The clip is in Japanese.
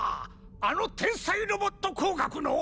あの天才ロボット工学の？